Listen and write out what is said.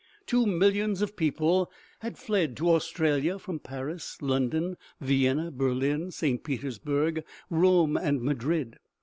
Two millions of people had fled to Australia from Paris, London, Vienna, Berlin, St. Petersburg, Rome and Madrid.